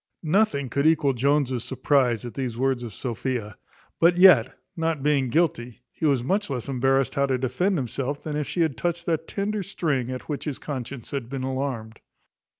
Nothing could equal Jones's surprize at these words of Sophia; but yet, not being guilty, he was much less embarrassed how to defend himself than if she had touched that tender string at which his conscience had been alarmed.